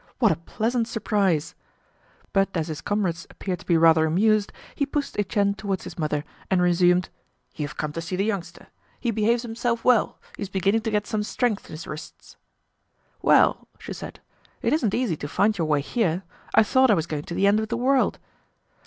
"What a pleasant surprise." But as his comrades appeared to be rather amused, he pushed Etienne towards his mother and resumed: "You've come to see the youngster. He behaves himself well, he's beginning to get some strength in his wrists." "Well!" she said, "it isn't easy to find your way here. I thought I was going to the end of the world."